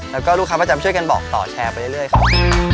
แล้วก็ลูกค้าประจำช่วยกันบอกต่อแชร์ไปเรื่อยครับ